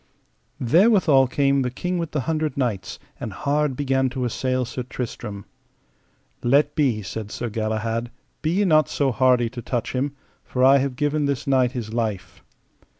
Therewithal came the King with the Hundred Knights, and hard began to assail Sir Tristram. Let be, said Sir Galahad, be ye not so hardy to touch him, for I have given this knight his life.